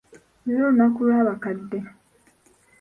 Leero lunaku lw'abakadde.